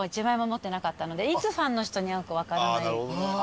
いつファンの人に会うか分からない。